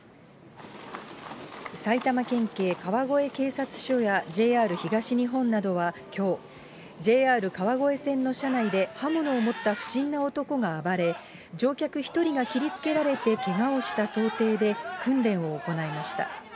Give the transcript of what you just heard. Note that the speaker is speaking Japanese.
埼玉県警川越警察署や、ＪＲ東日本などはきょう、ＪＲ川越線の車内で刃物を持った不審な男が暴れ、乗客１人が切りつけられてけがをした想定で訓練を行いました。